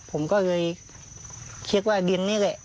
ผมก็เลยคิดว่าดินนี่แหละ